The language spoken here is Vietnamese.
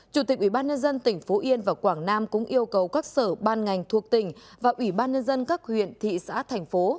chủ tịch ubnd tỉnh phố yên và quảng nam cũng yêu cầu các sở ban ngành thuộc tỉnh và ubnd các huyện thị xã thành phố